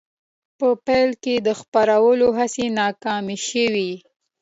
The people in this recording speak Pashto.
په پیل کې د خپرولو هڅې ناکامې شوې.